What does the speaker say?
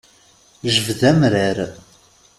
Jbed amrar.